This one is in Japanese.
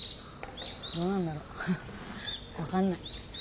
どうなんだろ分かんない。